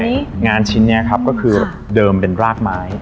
ใช่งานชิ้นเนี่ยครับคือเดิมเป็นรากไม้